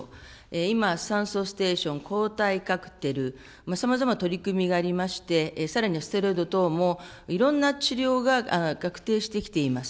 今、酸素ステーション、抗体カクテル、さまざま取り組みがありまして、さらにはステロイド等も、いろんな治療が確定してきています。